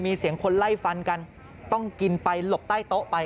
มีเสียงคนไล่ฟันกันต้องกินไปหลบใต้โต๊ะไป